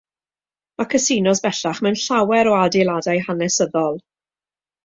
Mae casinos bellach mewn llawer o adeiladau hanesyddol.